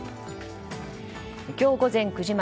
今日午前９時前